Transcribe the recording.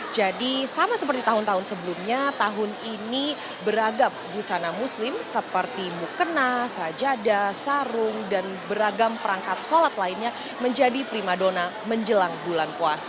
jadi sama seperti tahun tahun sebelumnya tahun ini beragam busana muslim seperti mukena sajada sarung dan beragam perangkat sholat lainnya menjadi primadona menjelang bulan puasa